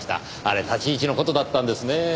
あれ立ち位置の事だったんですねぇ。